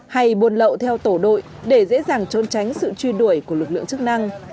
hay buồn lậu theo tổ đội để dễ dàng trôn tránh sự truy đuổi của lực lượng chức năng